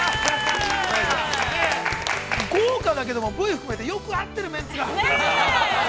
◆豪華だけども、よく合ってる、メンツが。